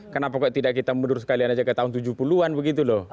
kenapa kok tidak kita mundur sekalian saja ke tahun tujuh puluh an begitu loh